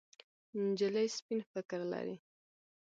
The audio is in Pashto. نجلۍ سپين فکر لري.